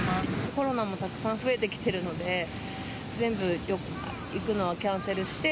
コロナもたくさん増えてきてるので、全部、行くのはキャンセルして。